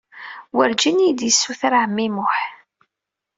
Werǧin iyi-d-issuter ɛemmi Muḥ.